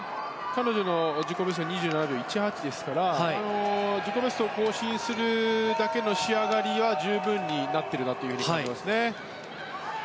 彼女の自己ベストが２７秒１８ですから自己ベストを更新するだけの仕上がりは十分になっているなという感じですね。